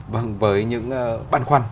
vâng với những băn khoăn